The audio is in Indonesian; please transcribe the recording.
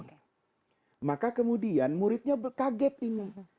nah maka kemudian muridnya kaget ini